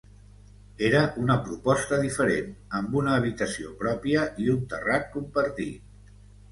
Era una proposta diferent, amb una habitació pròpia i un terrat compartit.